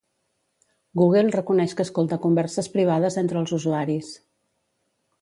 Google reconeix que escolta converses privades entre els usuaris.